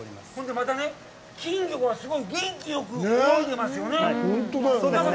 また、金魚がすごい元気よく泳いでますよね。